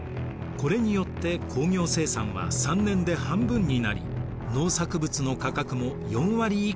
これによって工業生産は３年で半分になり農作物の価格も４割以下に下落。